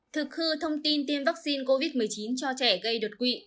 thực hư thông tin tiêm vaccine covid một mươi chín cho trẻ gây đột quỵ